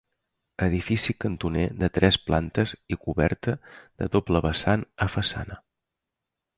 Edifici cantoner de tres plantes i coberta de doble vessant a façana.